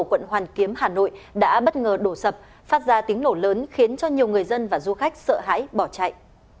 quận hoàn kiếm hà nội đã bất ngờ đổ sập phát ra tiếng nổ lớn khiến cho nhiều người dân và du khách sợ hãi bỏ chạy